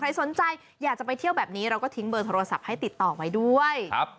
สนใจอยากจะไปเที่ยวแบบนี้เราก็ทิ้งเบอร์โทรศัพท์ให้ติดต่อไว้ด้วยครับ